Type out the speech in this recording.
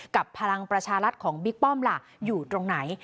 พลังประชารัฐของบิ๊กป้อมล่ะอยู่ตรงไหน